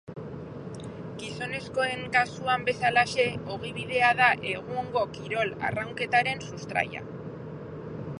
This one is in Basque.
Gizonezkoen kasuan bezalaxe, ogibidea da egungo kirol arraunketaren sustraia.